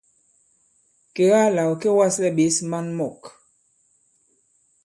Kèga là ɔ̀ kê wa᷇slɛ ɓěs maŋ mɔ̂k.